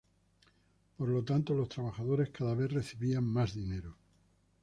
Por lo tanto, los trabajadores cada vez recibían más dinero.